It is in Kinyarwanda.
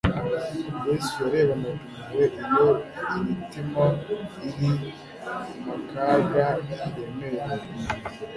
Yesu yarebanaga impuhwe iyo initima iri ma kaga, iremerewe